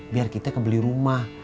biar kita kebeli rumah